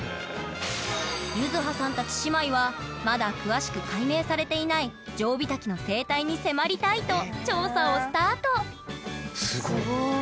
ゆずはさんたち姉妹はまだ詳しく解明されていないジョウビタキの生態に迫りたいと調査をスタートすごっ！